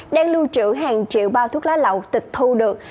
đang lưu trữ hàng triệu bao thuốc lá lậu tịch thu được